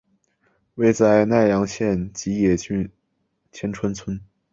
位在奈良县吉野郡天川村。